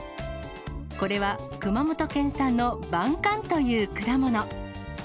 これは熊本県産の晩柑という果物。